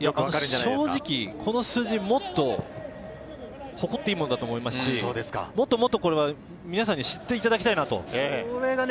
正直この数字もっと誇っていいものだと思いますし、もっともっとみなさんに知っていただきたいなと。